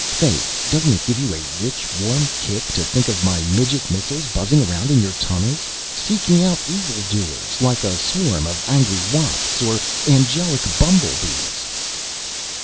Fay, doesn't it give you a rich warm kick to think of my midget missiles buzzing around in your tunnels, seeking out evil doers, like a swarm of angry wasps or angelic bumblebees?"